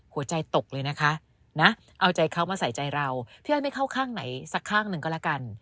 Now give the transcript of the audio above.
หัวใจตกเลยนะคะนะเอาใจเขามาใส่ใจเราพี่อ้อยไม่เข้าข้างไหนสักข้างหนึ่งก็แล้วกัน